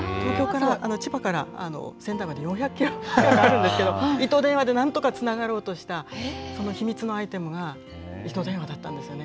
千葉から仙台まで４００キロぐらいあるんですけど、糸電話でなんとかつながろうとした、その秘密のアイテムが糸電話だったんですね。